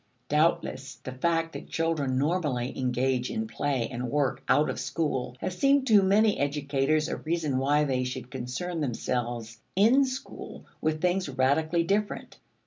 Doubtless the fact that children normally engage in play and work out of school has seemed to many educators a reason why they should concern themselves in school with things radically different.